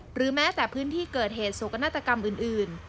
หรือแม้แต่พื้นที่เกิดเหตุโศกนาฏกรรมอื่น